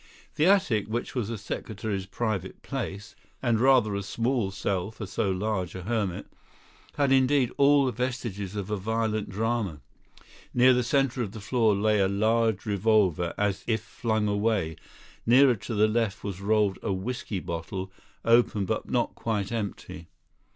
The attic, which was the secretary's private place (and rather a small cell for so large a hermit), had indeed all the vestiges of a violent drama. Near the centre of the floor lay a large revolver as if flung away; nearer to the left was rolled a whisky bottle, open but not quite empty.